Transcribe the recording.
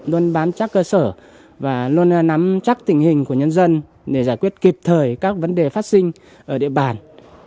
luôn bám sát cơ sở và luôn nắm chắc tình hình của nhân dân để giải quyết kịp thời các vấn đề phát sinh ở địa bàn